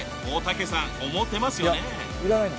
大竹さん思ってますよね？